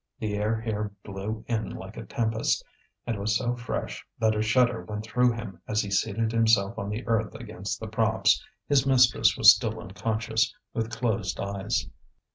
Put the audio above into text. The air here blew in like a tempest, and was so fresh that a shudder went through him as he seated himself on the earth against the props; his mistress was still unconscious, with closed eyes.